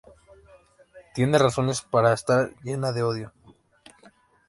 Tiene razones para estar llena de odio.